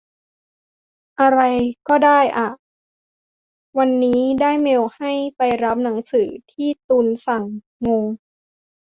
อะไรก็ได้อ่ะ วันนี้ได้เมลให้ไปรับหนังสือที่ตุลสั่ง งง